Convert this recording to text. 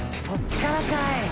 そっちからかい。